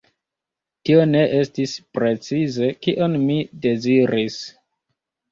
Tio ne estis precize, kion mi deziris.